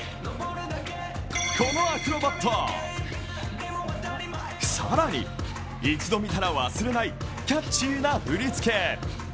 このアクロバット、更に一度見たら忘れないキャッチーな振り付け。